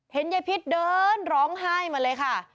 ยายพิษเดินร้องไห้มาเลยค่ะ